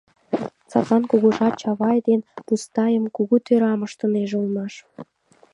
Садлан кугыжа Чавай ден Мустайым кугу тӧрам ыштынеже улмаш.